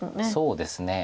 そうですね。